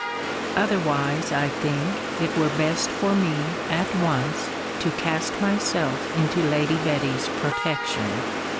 Otherwise, I think, it were best for me, at once, to cast myself into Lady Betty's protection.